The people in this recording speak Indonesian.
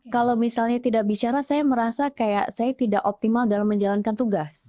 kalau misalnya tidak bicara saya merasa kayak saya tidak optimal dalam menjalankan tugas